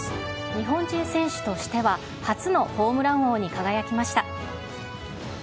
日本人選手としては、初のホームラン王に輝きました。